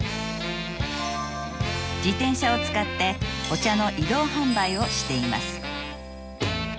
自転車を使ってお茶の移動販売をしています。